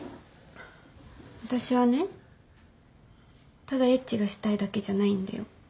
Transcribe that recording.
私はねただエッチがしたいだけじゃないんだよ。